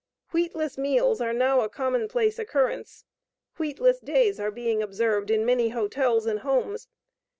Wheatless meals are now a commonplace occurrence. Wheatless days are being observed in many hotels and homes.